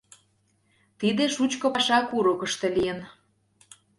— Тиде шучко паша курыкышто лийын.